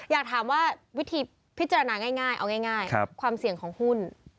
อยากถามว่าวิธีพิจารณาง่ายเอาง่ายความเสี่ยงของหุ้น